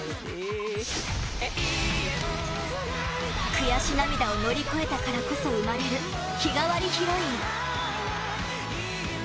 悔し涙を乗り越えたからこそ生まれる日替わりヒロイン。